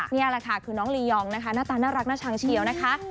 นี่แหละค่ะคือน้องลียองนะคะหน้าตาน่ารักน่าชังเชียวนะคะ